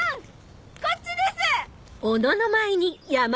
こっちです！